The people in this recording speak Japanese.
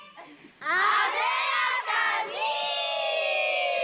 艶やかに！